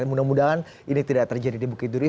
mudah mudahan ini tidak terjadi di bukit duri